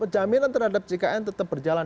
jaminan terhadap jkn tetap berjalan